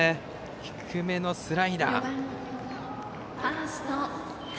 低めのスライダー。